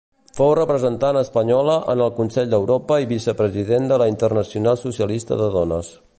Fou representant espanyola en el Consell d'Europa i Vicepresident de la Internacional Socialista de Dones.